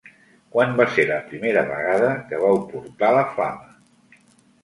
Quan va ser la primera vegada que vau portar la flama?